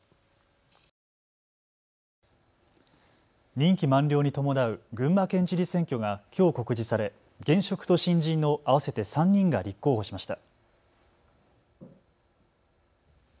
任期満了に伴う群馬県知事選挙がきょう告示され、現職と新人の合わせて３人が立候補しました。